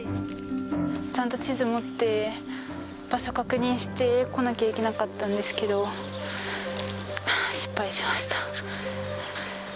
ちゃんと地図持って、場所確認してこなきゃいけなかったんですけど、失敗しました。